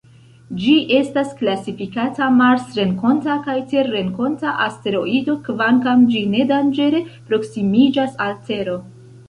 Ĝi estas klasifikata marsrenkonta kaj terrenkonta asteroido kvankam ĝi ne danĝere proksimiĝas al Tero.